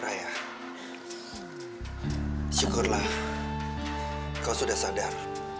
ayah syukurlah kau sudah sadar